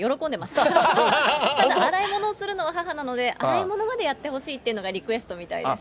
ただ洗い物をするのは母なので、洗い物までやってほしいっていうのがリクエストみたいです。